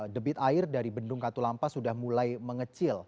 debit air dari bendung katulampa sudah mulai mengecil